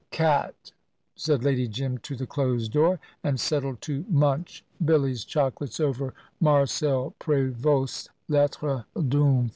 "Cat!" said Lady Jim to the closed door, and settled to munch Billy's chocolates over Marcel Prévost's Lettres d'une Femme.